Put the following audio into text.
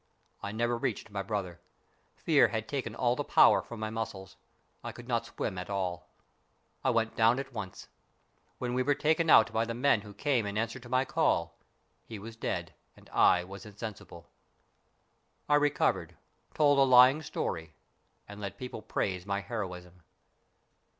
I never reached my brother. Fear had taken all the power from my muscles. I could not swim at all. I went down at once. When we were taken out by the men who came in answer to my call, he was dead and I was insensible. I recovered, told a lying story, and let people praise my heroism.